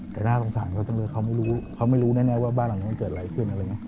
แต่น่าสงสารเขาจึงเลยเขาไม่รู้แน่ว่าบ้านหลังนี้จะเกิดอะไรขึ้น